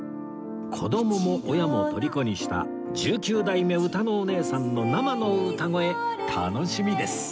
子どもも親もとりこにした１９代目うたのおねえさんの生の歌声楽しみです